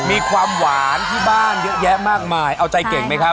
มีความหวานที่บ้านเยอะแยะมากมายเอาใจเก่งไหมครับ